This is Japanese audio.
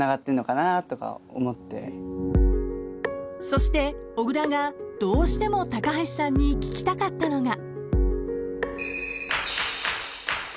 ［そして小倉がどうしても橋さんに聞きたかったのが］